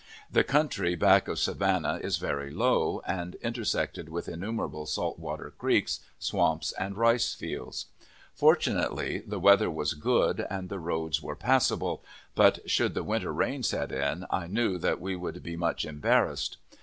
The country back of Savannah is very low, and intersected with innumerable saltwater creeks, swamps, and rice fields. Fortunately the weather was good and the roads were passable, but, should the winter rains set in, I knew that we would be much embarrassed.